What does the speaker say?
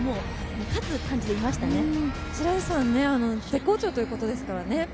絶好調ということですからね。